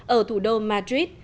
ở thủ đô madrid